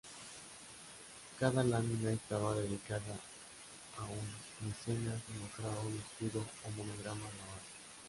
Cada lámina estaba dedicada a un mecenas y mostraba un escudo o monograma grabado.